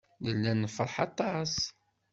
Nella nefṛeḥ aṭas.